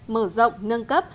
mở rộng nâng cấp